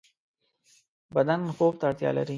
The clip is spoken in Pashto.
بدن خوب ته اړتیا لری